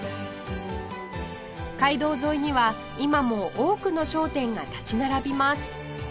街道沿いには今も多くの商店が立ち並びます